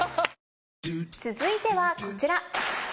続いてはこちら。